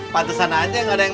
patusan aja gak ada yang